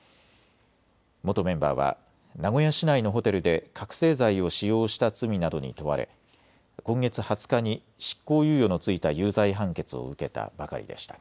元メンバーは名古屋市内のホテルで覚醒剤を使用した罪などに問われ今月２０日に執行猶予の付いた有罪判決を受けたばかりでした。